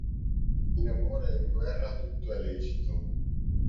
In amore e in guerra tutto è lecito.